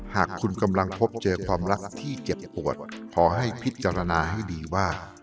หากคุณกำลังพบเจอความรักที่เจ็บปวดขอให้พิจารณาให้ดีว่า